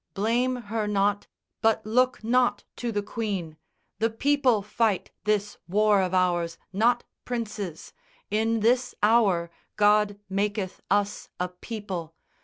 Blame her not, But look not to the Queen. The people fight This war of ours, not princes. In this hour God maketh us a people.